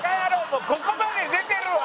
もうここまで出てるわ！